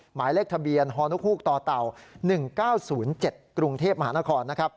หมายเลขทะเบียนฮฮตต๑๙๐๗กรุงเทพฯมหานคร